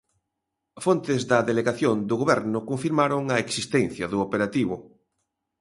Fontes da Delegación do Goberno confirmaron a existencia do operativo.